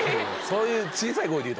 そういう。